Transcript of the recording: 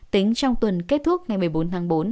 tính trong tuần kết thúc ngày một mươi bốn tháng bốn